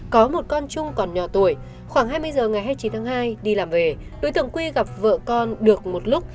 có một con chung còn nhỏ tuổi khoảng hai mươi giờ ngày hai mươi chín tháng hai đi làm về đối tượng quy gặp vợ con được một lúc